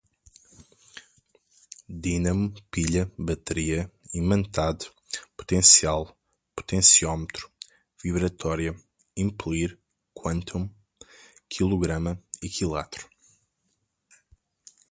dínamo, pilha, bateria, imantado, potencial, potenciômetro, vibratória, impelir, quantum, quilograma, equilátero